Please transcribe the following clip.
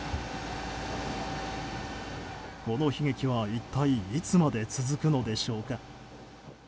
この悲劇は一体いつまで続くのでしょうか。